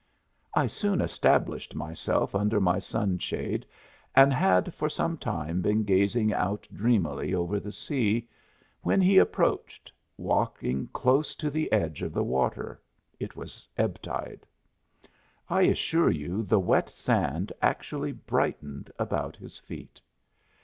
I soon established myself under my sunshade and had for some time been gazing out dreamily over the sea, when he approached, walking close to the edge of the water it was ebb tide. I assure you the wet sand actually brightened about his feet!